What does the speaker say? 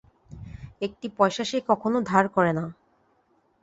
একটি পয়সা সে কখনো ধার করে না।